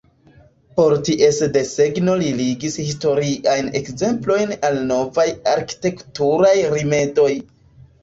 Por ties desegno li ligis historiajn ekzemplojn al novaj arkitekturaj rimedoj.